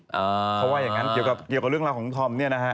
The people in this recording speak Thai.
เพราะว่าอย่างนั้นเกี่ยวกับเรื่องราวของธอมเนี่ยนะฮะ